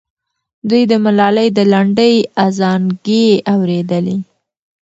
دوی د ملالۍ د لنډۍ ازانګې اورېدلې.